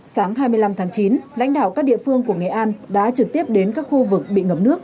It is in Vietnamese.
sáng hai mươi năm tháng chín lãnh đạo các địa phương của nghệ an đã trực tiếp đến các khu vực bị ngập nước